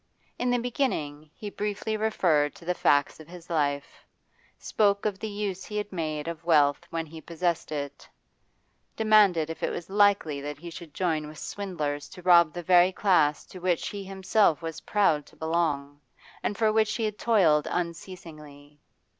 In the beginning he briefly referred to the facts of his life, spoke of the use he had made of wealth when he possessed it, demanded if it was likely that he should join with swindlers to rob the very class to which he himself was proud to belong, and for which he had toiled unceasingly.